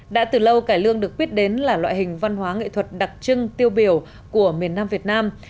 đã từ lâu cải lương được biết đến là loại hình văn hóa nghệ thuật đặc trưng tiêu biểu của miền nam việt nam